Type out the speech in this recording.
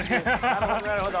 なるほどなるほど。